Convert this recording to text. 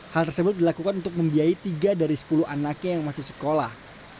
hal tersebut dilakukan untuk membiayai tiga dari sepuluh anaknya yang masih sekolah